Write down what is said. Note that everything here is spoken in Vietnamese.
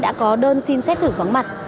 và có đơn xin xét xử vắng mặt